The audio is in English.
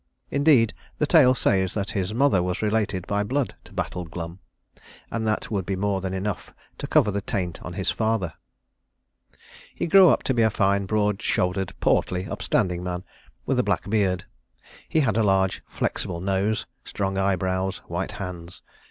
Indeed, the tale says that his mother was related by blood to Battle Glum, and that would be more than enough to cover the taint on his father. He grew up to be a fine, broad shouldered, portly, upstanding man, with a black beard; he had a large, flexible nose, strong eyebrows, white hands.